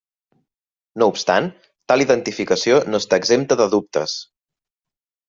No obstant tal identificació no està exempta de dubtes.